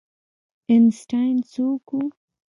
آینسټاین څوک و؟